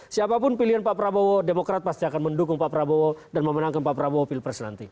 siapapun pilihan pak prabowo demokrat pasti akan mendukung pak prabowo dan memenangkan pak prabowo pilpres nanti